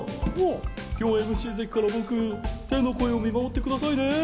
今日ＭＣ席から僕、天の声よ、見守ってくださいね。